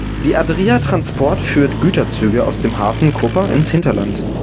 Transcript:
Die Adria Transport führt Güterzüge aus dem Hafen Koper ins Hinterland.